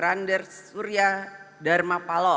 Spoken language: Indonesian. dan ketua umum partai pradipatri